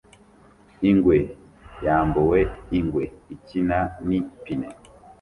Ingwe yambuwe ingwe ikina nipine